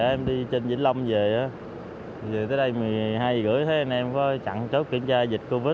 em đi trên vĩnh long về về tới đây một mươi hai h ba mươi thấy anh em có chặn chốt kiểm tra dịch covid một mươi chín